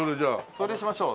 それしましょう。